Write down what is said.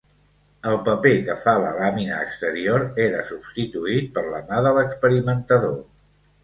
El paper que fa la làmina exterior era substituït per la mà de l'experimentador.